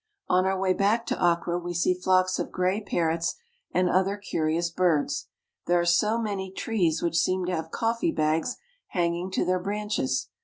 On our way back to Akkra we see flocks of gray parrots and other curious birds. There are many trees which seem to have coffee bags hanging to their branches.